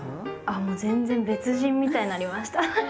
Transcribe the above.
全然別人みたいになりました。